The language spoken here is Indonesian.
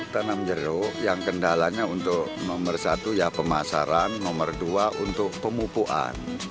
tanam jeruk yang kendalanya untuk nomor satu ya pemasaran nomor dua untuk pemupuan